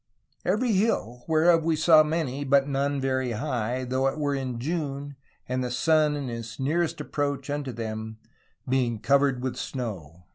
. euery hill (whereof we saw many, but none verie high), though it were in June, and the sunne in his neerest approch vnto them, being couered with snow."